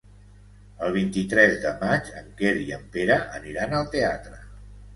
El vint-i-tres de maig en Quer i en Pere aniran al teatre.